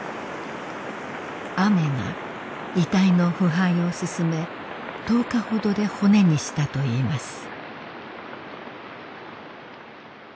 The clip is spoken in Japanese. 雨が遺体の腐敗を進め１０日ほどで骨にしたといいます。